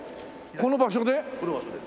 この場所です。